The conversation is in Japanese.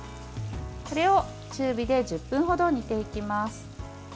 これを中火で１０分ほど煮ていきます。